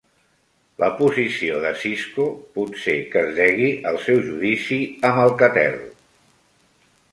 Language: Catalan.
La posició de Cisco potser que es degui al seu judici amb Alcatel.